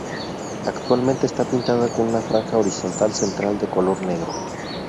Actualmente está pintada con una franja horizontal central de color negro.